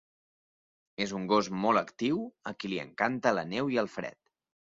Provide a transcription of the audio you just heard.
És un gos molt actiu a qui li encanta la neu i el fred.